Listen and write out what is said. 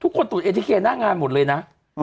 ทุกคนตรวจเอทีเคยหน้างานหมดเลยนะ